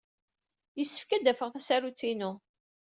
Yessefk ad d-afeɣ tasarut-inu.